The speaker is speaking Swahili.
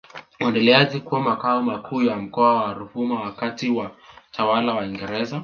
uliendelea kuwa Makao makuu ya Mkoa wa Ruvuma wakati wa utawala wa Waingereza